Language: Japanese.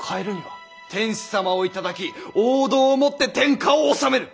天子様を戴き王道をもって天下を治める。